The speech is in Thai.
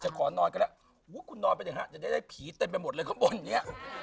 จะขอนอนกันแล้วอู้คุณนอนไปถึงหาจะได้ได้ผีเต็มไปหมดเลยข้างบนนี้